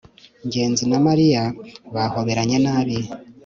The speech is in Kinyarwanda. ngenzi na mariya bahoberanye nabi